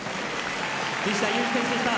西田有志選手でした。